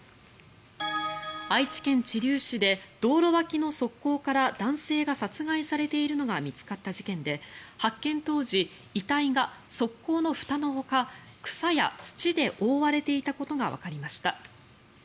愛知県知立市で道路脇の側溝から男性が殺害されているのが見つかった事件で発見当時遺体が側溝のふたのほか草や土で覆われていたことがわかりました。